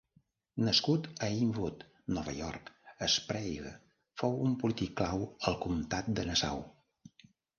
Nascut a Inwood, Nova York, Sprague fou un polític clau al comtat de Nassau.